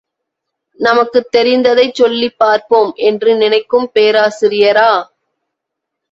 நமக்குத் தெரிந்தைச் சொல்லிப் பார்ப்போம் என்று நினைக்கும் பேராசிரியரா?